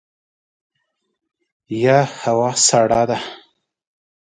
یه هوا سړه ده !